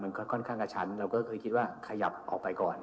ค่อนข้างกระชั้นเราก็เคยคิดว่าขยับออกไปก่อน